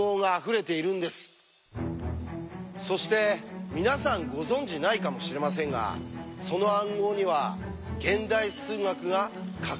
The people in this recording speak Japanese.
そして皆さんご存じないかもしれませんがその暗号には現代数学が欠かせないんです！